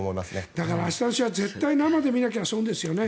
だから、明日の試合絶対、生で見なきゃ損ですよね。